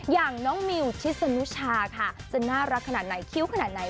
อย่างน้องมิวชิสนุชาค่ะจะน่ารักขนาดไหนคิ้วขนาดไหน